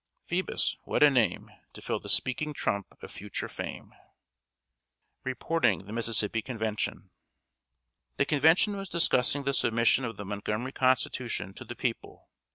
" Ph[oe]bus, what a name, To fill the speaking trump of future fame!" [Sidenote: REPORTING THE MISSISSIPPI CONVENTION.] The Convention was discussing the submission of the Montgomery Constitution to the people.